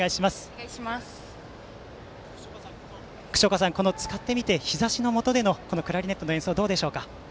くしおかさん、使ってみて日ざしのもとでのこのクラリネットの演奏どうでしょうか。